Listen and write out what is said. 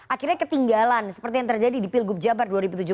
akhirnya ketinggalan seperti yang terjadi di pilgub jabar dua ribu tujuh belas